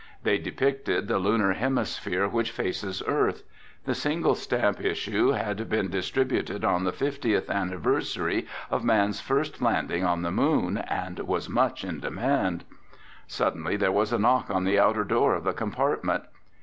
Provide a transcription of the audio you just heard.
They depicted the Lunar hemisphere which faces Earth. The single stamp issue had been distributed on the fiftieth anniversary of man's first landing on the moon and was much in demand. Suddenly there was a knock on the outer door of the compartment.